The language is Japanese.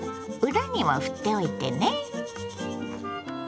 裏にもふっておいてね。